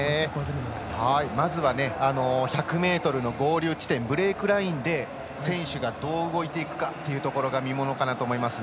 まずは１００ｍの合流地点ブレークラインで選手がどう動いていくかというのが見ものだと思います。